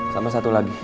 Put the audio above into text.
sama satu lagi